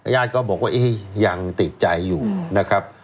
ญาติก็บอกว่ายังติดใจอยู่นะครับ